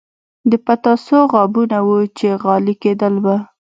د پتاسو غابونه وو چې خالي کېدل به.